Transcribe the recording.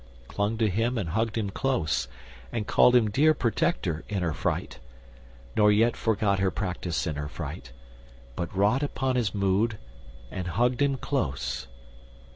clung to him and hugged him close; And called him dear protector in her fright, Nor yet forgot her practice in her fright, But wrought upon his mood and hugged him close.